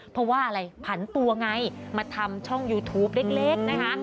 เพราะว่าอะไรผันตัวไงมาทำช่องยูทูปเล็กนะคะ